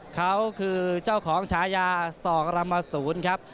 เขาคือเจ้าของชายาส่องรำสูญครับ